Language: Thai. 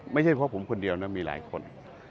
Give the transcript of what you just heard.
ไม่ใช่เพราะผมคนเดียวนะมีหลายคน